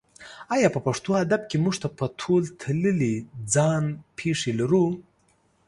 ایا په پښتو ادب کې موږ په تول تللې ځان پېښې لرو؟